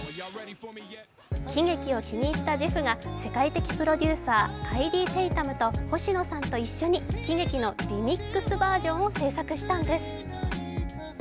「喜劇」を気に入ったジェフが世界的プロデューサーカイディ・テイタムと星野さんと一緒に「喜劇」のリミックスバージョンを制作したんです。